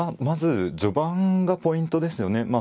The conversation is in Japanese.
まず序盤がポイントですよね。